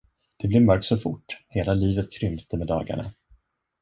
Det blev mörkt så fort, hela livet krympte med dagarna.